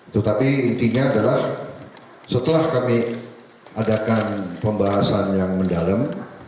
tetapi intinya adalah setelah kami adakan pembahasan yang mendalam